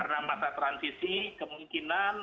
karena masa transisi kemungkinan